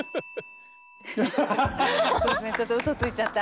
そうですねちょっとウソついちゃった。